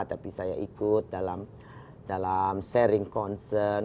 tapi saya ikut dalam sharing concern